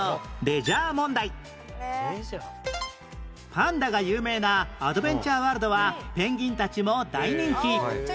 パンダが有名なアドベンチャーワールドはペンギンたちも大人気